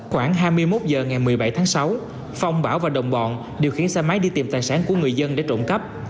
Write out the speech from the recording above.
khoảng hai mươi một h ngày một mươi bảy tháng sáu phong bảo và đồng bọn điều khiển xe máy đi tìm tài sản của người dân để trộm cắp